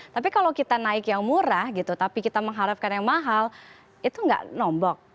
tapi kalau kita naik yang murah gitu tapi kita mengharapkan yang mahal itu nggak nombok